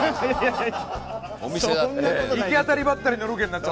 行き当たりばったりのロケになっちゃって。